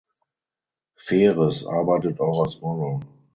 Veres arbeitet auch als Model.